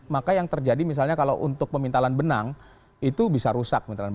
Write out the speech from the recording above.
maka yang terjadi misalnya kalau untuk pemintalan benang itu bisa rusak